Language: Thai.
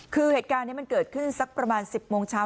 คือเหตุการณ์นี้มันเกิดขึ้นสักประมาณ๑๐โมงเช้า